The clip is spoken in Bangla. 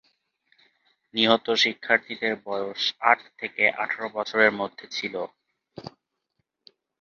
নিহত শিক্ষার্থীদের বয়স আট থেকে আঠারো বছরের মধ্যে ছিল।